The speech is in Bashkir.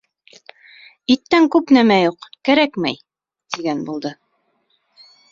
— Иттән күп нәмә юҡ, кәрәкмәй, — тигән булды.